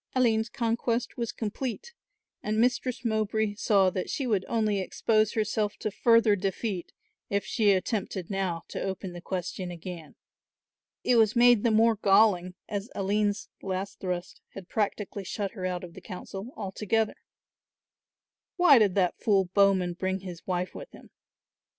Aline's conquest was complete and Mistress Mowbray saw that she would only expose herself to further defeat if she attempted now to open the question again. It was made the more galling as Aline's last thrust had practically shut her out of the council altogether. Why did that fool Bowman bring his wife with him?